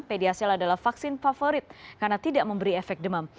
pediasel adalah vaksin favorit karena tidak memberi efek demam